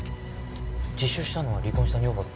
自首したのは離婚した女房だったな。